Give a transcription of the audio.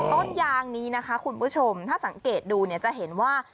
ต้นยางนี้นะคะคุณผู้ชมถ้าสังเกตดูเนี่ยจะเห็นว่า